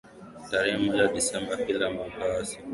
tarehe moja desemba kila mwaka ni siku ya ukimwi duniani